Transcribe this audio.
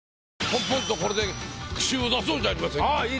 ポンポンとこれで句集を出そうじゃありませんか。